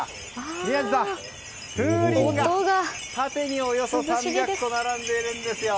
宮司さん、風鈴が縦におよそ３００個並んでいるんですよ。